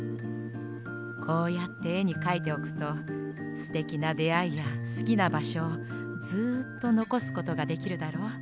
こうやってえにかいておくとすてきなであいやすきなばしょをずっとのこすことができるだろ。